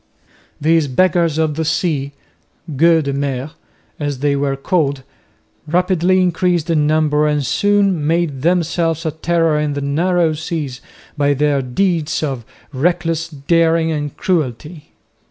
These "Beggars of the Sea" (Gueux de mer), as they were called, rapidly increased in number and soon made themselves a terror in the narrow seas by their deeds of reckless daring and cruelty.